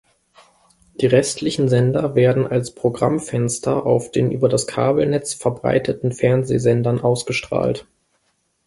Die restlichen Sender werden als Programmfenster auf den über das Kabelnetz verbreiteten Fernsehsendern ausgestrahlt.